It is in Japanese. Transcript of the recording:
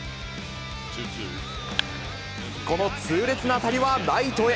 この痛烈な当たりはライトへ。